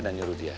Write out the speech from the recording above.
dan nyuruh dia